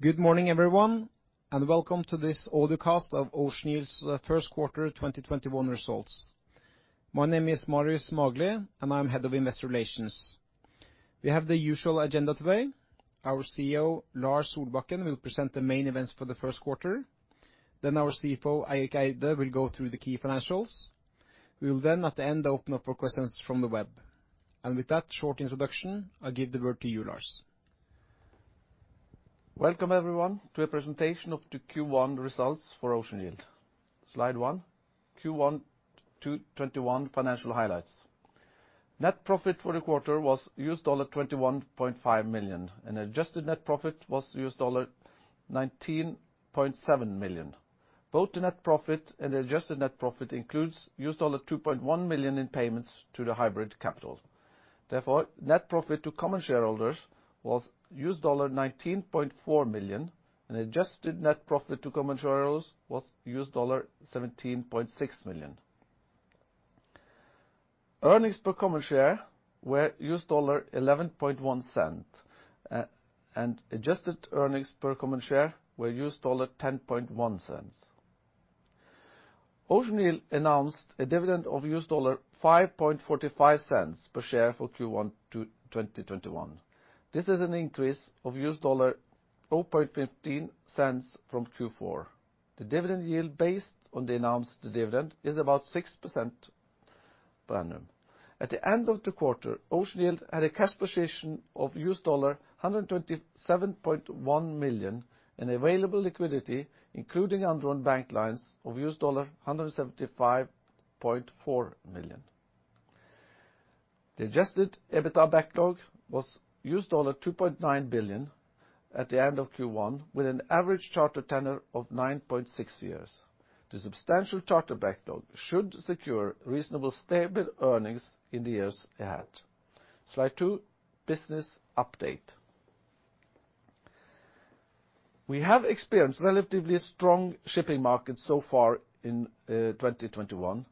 Good morning, everyone, and welcome to this audio cast of Ocean Yield's first quarter 2021 results. My name is Marius Magelie, and I'm Head of Investor Relations. We have the usual agenda today. Our CEO, Lars Solbakken, will present the main events for the first quarter, then our CFO, Eirik Eide, will go through the key financials. We will then at the end open up for questions from the web. With that short introduction, I give the word to you, Lars. Welcome, everyone, to a presentation of the Q1 results for Ocean Yield. Slide one, Q1 2021 financial highlights. Net profit for the quarter was $21.5 million, and adjusted net profit was $19.7 million. Both the net profit and adjusted net profit includes $2.1 million in payments to the hybrid capital. Therefore, net profit to common shareholders was $19.4 million, and adjusted net profit to common shareholders was $17.6 million. Earnings per common share were $0.111, and adjusted earnings per common share were $0.101. Ocean Yield announced a dividend of $5.45 per share for Q1 2021. This is an increase of $0.15 from Q4. The dividend yield based on the announced dividend is about 6% per annum. At the end of the quarter, Ocean Yield had a cash position of $127.1 million, and available liquidity, including undrawn bank lines, of $175.4 million. The Adjusted EBITDA backlog was $2.9 billion at the end of Q1, with an average charter tenure of 9.6 years. The substantial charter backlog should secure reasonable stable earnings in the years ahead. Slide two, business update. We have experienced relatively strong shipping markets so far in 2021,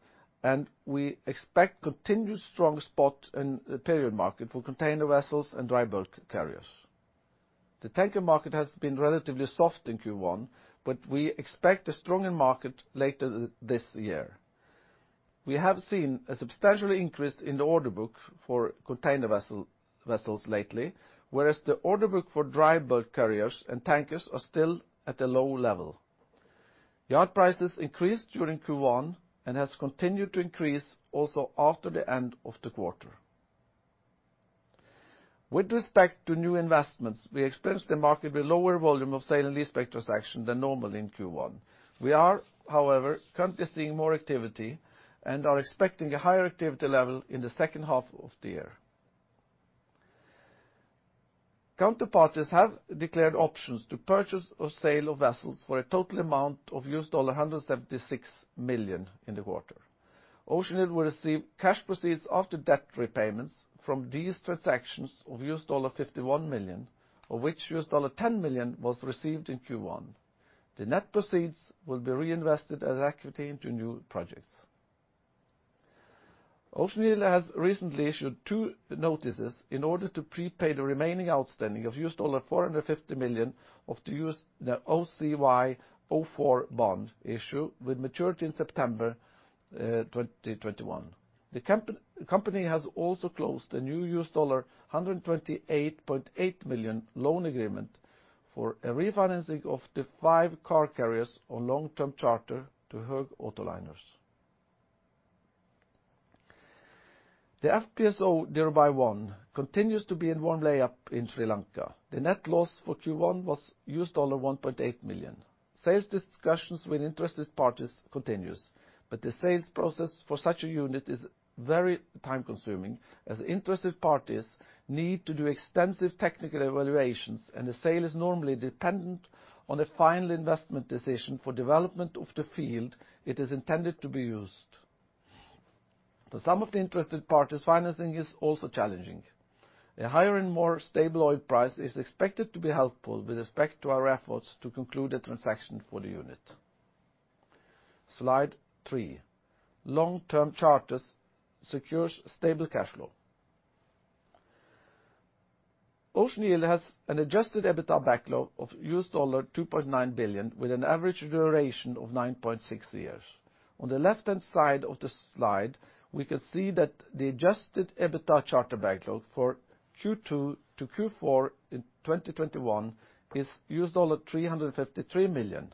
and we expect continued strong spot in the period market for container vessels and dry bulk carriers. The tanker market has been relatively soft in Q1, but we expect a stronger market later this year. We have seen a substantial increase in the order book for container vessels lately, whereas the order book for dry bulk carriers and tankers are still at a low level. Yard prices increased during Q1 and has continued to increase also after the end of the quarter. With respect to new investments, we experienced a markedly lower volume of sale and leaseback transaction than normal in Q1. We are, however, currently seeing more activity and are expecting a higher activity level in the second half of the year. Counterparties have declared options to purchase or sale of vessels for a total amount of $176 million in the quarter. Ocean Yield will receive cash proceeds after debt repayments from these transactions of $51 million, of which $10 million was received in Q1. The net proceeds will be reinvested as equity into new projects. Ocean Yield has recently issued two notices in order to prepay the remaining outstanding of $450 million of the OCY04 bond issue with maturity in September 2021. The company has also closed a new $128.8 million loan agreement for a refinancing of the five car carriers on long-term charter to Höegh Autoliners. The FPSO Dhirubhai-1 continues to be in warm layup in Sri Lanka. The net loss for Q1 was $1.8 million. Sales discussions with interested parties continues, the sales process for such a unit is very time-consuming, as interested parties need to do extensive technical evaluations, and the sale is normally dependent on the final investment decision for development of the field it is intended to be used. For some of the interested parties, financing is also challenging. A higher and more stable oil price is expected to be helpful with respect to our efforts to conclude a transaction for the unit. Slide three, long-term charters secures stable cash flow. Ocean Yield has an Adjusted EBITDA backlog of $2.9 billion, with an average duration of 9.6 years. On the left-hand side of the slide, we can see that the Adjusted EBITDA charter backlog for Q2 to Q4 in 2021 is $353 million.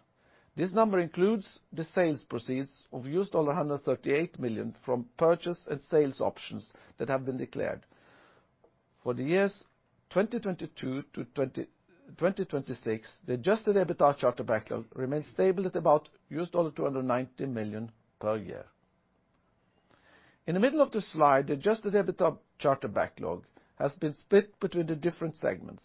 This number includes the sales proceeds of $138 million from purchase and sales options that have been declared. For the years 2022 to 2026, the Adjusted EBITDA charter backlog remains stable at about $290 million per year. In the middle of the slide, the Adjusted EBITDA charter backlog has been split between the different segments.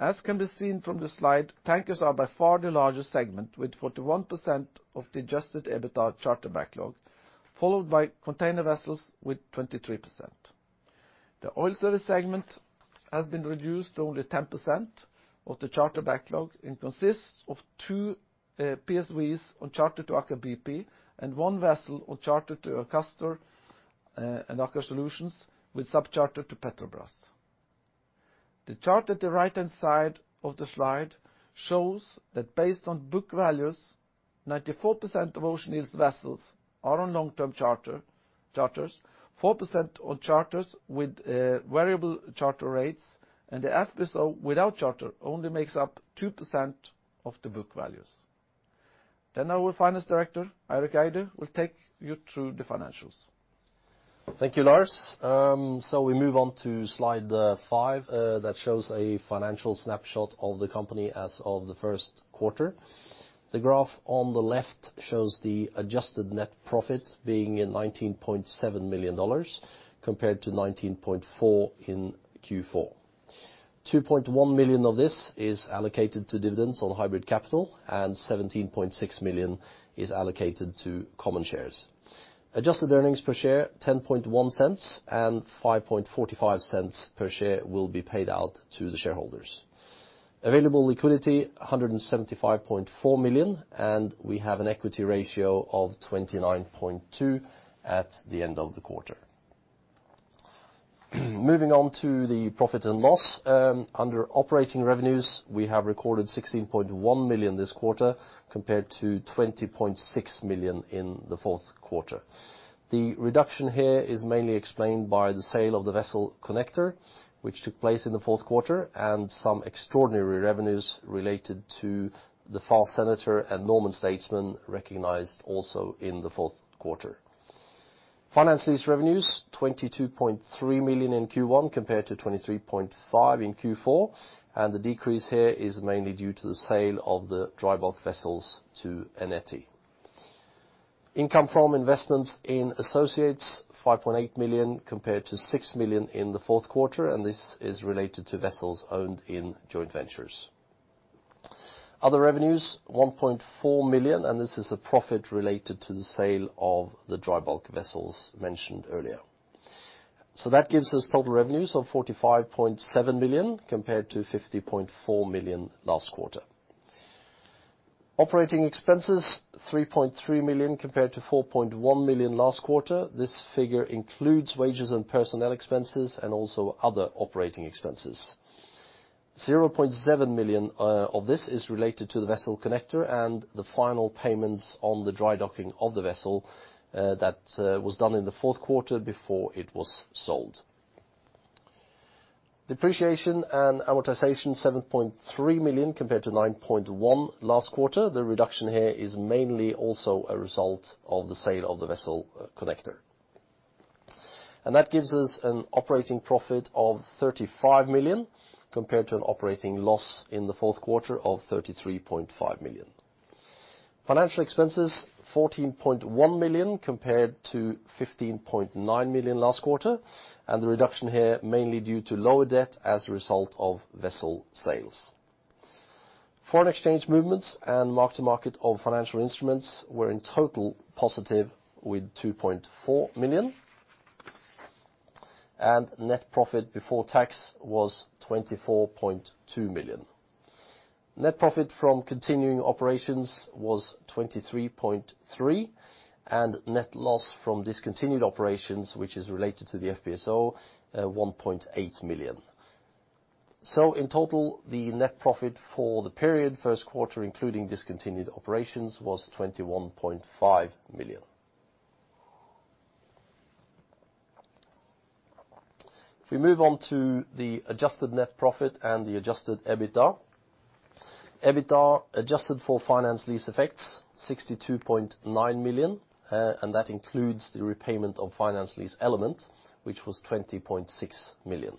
As can be seen from the slide, tankers are by far the largest segment, with 41% of the Adjusted EBITDA charter backlog, followed by container vessels with 23%. The oil service segment has been reduced to only 10% of the charter backlog and consists of two PSVs on charter to Aker BP and one vessel on charter to Akastor and Aker Solutions with sub charter to Petrobras. The chart at the right-hand side of the slide shows that based on book values, 94% of Ocean Yield's vessels are on long-term charters, 4% on charters with variable charter rates, and the FPSO without charter only makes up 2% of the book values. Our finance director, Eirik Eide, will take you through the financials. Thank you, Lars. We move on to slide five that shows a financial snapshot of the company as of the first quarter. The graph on the left shows the adjusted net profit being $19.7 million compared to $19.4 million in Q4. $2.1 million of this is allocated to dividends on hybrid capital, and $17.6 million is allocated to common shares. Adjusted earnings per share $0.101, and $0.0545 per share will be paid out to the shareholders. Available liquidity, $175.4 million, and we have an equity ratio of 29.2% at the end of the quarter. Moving on to the profit and loss. Under operating revenues, we have recorded $16.1 million this quarter compared to $20.6 million in the fourth quarter. The reduction here is mainly explained by the sale of the vessel Connector, which took place in the fourth quarter, and some extraordinary revenues related to the Far Senator and Normand Statesman recognized also in the fourth quarter. Finance lease revenues, $22.3 million in Q1 compared to $23.5 million in Q4. The decrease here is mainly due to the sale of the dry bulk vessels to Eneti. Income from investments in associates, $5.8 million compared to $6 million in the fourth quarter. This is related to vessels owned in joint ventures. Other revenues, $1.4 million. This is a profit related to the sale of the dry bulk vessels mentioned earlier. That gives us total revenues of $45.7 million compared to $50.4 million last quarter. Operating expenses, $3.3 million compared to $4.1 million last quarter. This figure includes wages and personnel expenses and also other operating expenses. $0.7 million of this is related to the vessel Connector and the final payments on the dry docking of the vessel that was done in the fourth quarter before it was sold. Depreciation and amortization, $7.3 million compared to $9.1 million last quarter. The reduction here is mainly also a result of the sale of the vessel Connector. That gives us an operating profit of $35 million compared to an operating loss in the fourth quarter of $33.5 million. Financial expenses, $14.1 million compared to $15.9 million last quarter. The reduction here mainly due to lower debt as a result of vessel sales. Foreign exchange movements and mark-to-market of financial instruments were in total positive with $2.4 million. Net profit before tax was $24.2 million. Net profit from continuing operations was $23.3 million, and net loss from discontinued operations, which is related to the FPSO, $1.8 million. In total, the net profit for the period first quarter, including discontinued operations, was $21.5 million. If we move on to the adjusted net profit and the Adjusted EBITDA. EBITDA adjusted for finance lease effects, $62.9 million, and that includes the repayment of finance lease element, which was $20.6 million.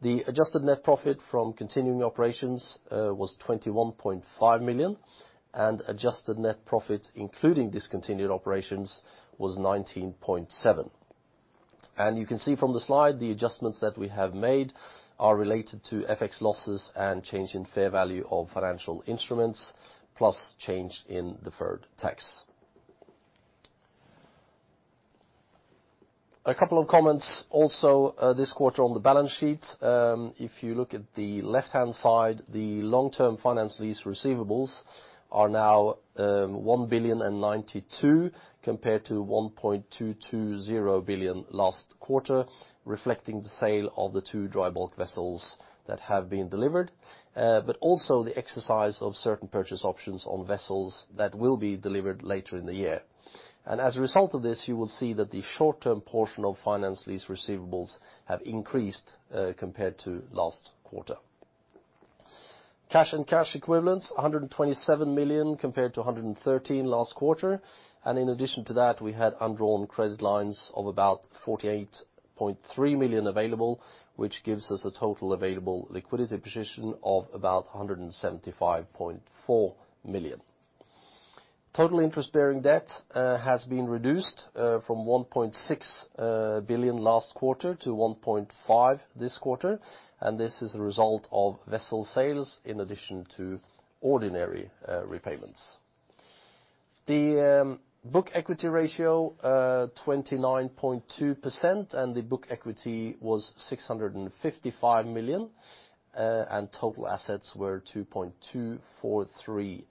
The adjusted net profit from continuing operations was $21.5 million, and adjusted net profit, including discontinued operations, was $19.7 million. You can see from the slide, the adjustments that we have made are related to FX losses and change in fair value of financial instruments, plus change in deferred tax. A couple of comments also, this quarter on the balance sheet. If you look at the left-hand side, the long-term finance lease receivables are now $1 billion and $92 compared to $1.220 billion last quarter, reflecting the sale of the two dry bulk vessels that have been delivered. Also the exercise of certain purchase options on vessels that will be delivered later in the year. As a result of this, you will see that the short-term portion of finance lease receivables have increased, compared to last quarter. Cash and cash equivalents, $127 million compared to $113 million last quarter. In addition to that, we had undrawn credit lines of about $48.3 million available, which gives us a total available liquidity position of about $175.4 million. Total interest-bearing debt has been reduced from $1.6 billion last quarter to $1.5 billion this quarter. This is a result of vessel sales in addition to ordinary repayments. The book equity ratio, 29.2%, and the book equity was $655 million, and total assets were $2.243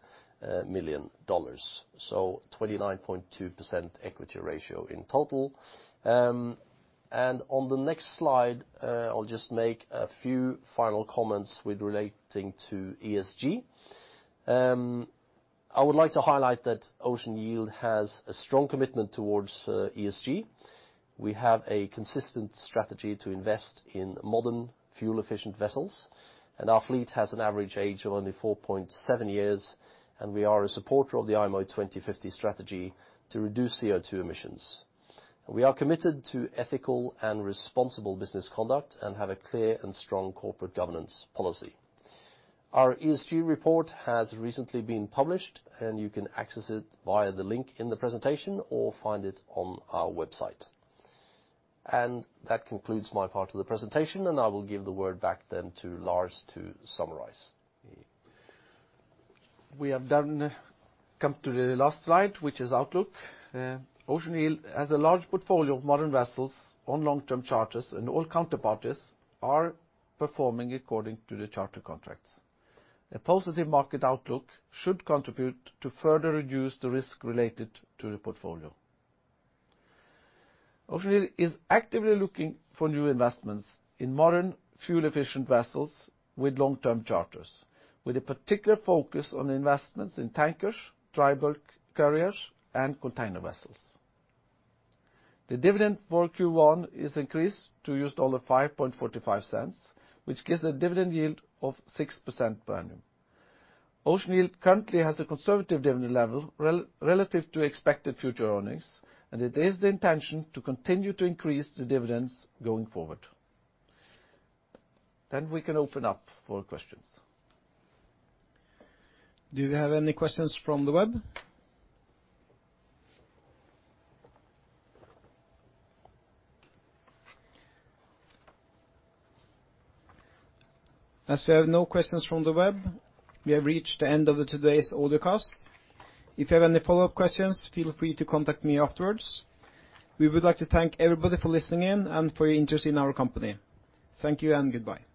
million. 29.2% equity ratio in total. On the next slide, I'll just make a few final comments with relating to ESG. I would like to highlight that Ocean Yield has a strong commitment towards ESG. We have a consistent strategy to invest in modern fuel-efficient vessels. Our fleet has an average age of only 4.7 years. We are a supporter of the IMO 2050 strategy to reduce CO2 emissions. We are committed to ethical and responsible business conduct and have a clear and strong corporate governance policy. Our ESG report has recently been published, and you can access it via the link in the presentation or find it on our website. That concludes my part of the presentation, and I will give the word back then to Lars to summarize. We have now come to the last slide, which is outlook. Ocean Yield has a large portfolio of modern vessels on long-term charters, and all counterparties are performing according to the charter contracts. A positive market outlook should contribute to further reduce the risk related to the portfolio. Ocean Yield is actively looking for new investments in modern fuel-efficient vessels with long-term charters, with a particular focus on investments in tankers, dry bulk carriers, and container vessels. The dividend for Q1 is increased to $5.45, which gives a dividend yield of 6% per annum. Ocean Yield currently has a conservative dividend level relative to expected future earnings, and it is the intention to continue to increase the dividends going forward. We can open up for questions. Do you have any questions from the web? As we have no questions from the web, we have reached the end of today's audio cast. If you have any follow-up questions, feel free to contact me afterwards. We would like to thank everybody for listening in and for your interest in our company. Thank you and goodbye.